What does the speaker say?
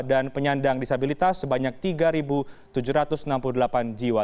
penyandang disabilitas sebanyak tiga tujuh ratus enam puluh delapan jiwa